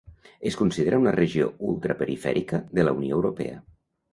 Es considera una regió ultraperifèrica de la Unió Europea.